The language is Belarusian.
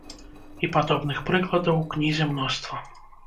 І падобных прыкладаў ў кнізе мноства.